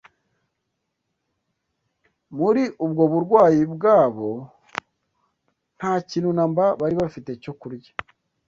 Muri ubwo burwayi bwabo, nta kintu na mba bari bafite cyo kurya